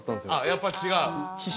やっぱ違う？